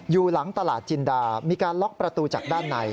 อยู่หลังตลาดจินดามีการล็อกประตูจากด้านใน